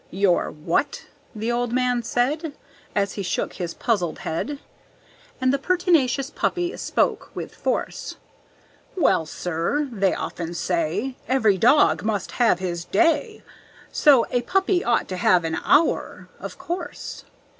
"Your what?" the old man said, As he shook his puzzled head; And the pertinacious puppy spoke with force: "Well, sir, they often say, 'Every dog must have his day,' So a puppy ought to have an hour, of course!"